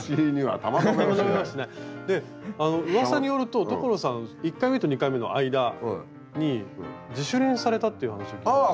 でうわさによると所さん１回目と２回目の間に自主練されたっていう話を聞いたんですが。